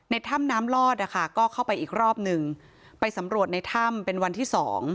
ถ้ำน้ำลอดนะคะก็เข้าไปอีกรอบหนึ่งไปสำรวจในถ้ำเป็นวันที่สอง